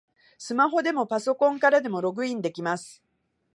スマホでもパソコンからでもログインできます